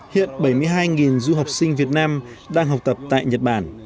hiện bảy mươi hai du học sinh việt nam đang học tập tại nhật bản